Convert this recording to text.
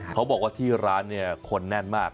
เขาบอกว่าที่ร้านเนี่ยคนแน่นมาก